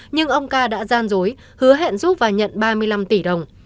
nhưng ông ca đã gian dối hứa hẹn giúp và nhận ba mươi năm tỷ đồng